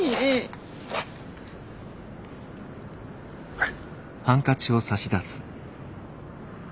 はい。